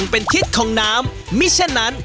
น้ำมิชชั่นนั้น